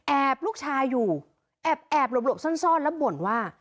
ลูกชายอยู่แอบหลบซ่อนแล้วบ่นว่า